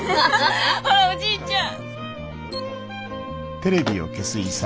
ほらっおじいちゃん。